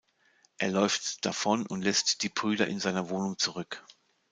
Er läuft davon und lässt die Brüder in seiner Wohnung zurück.